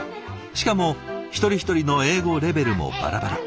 しかも一人一人の英語レベルもバラバラ。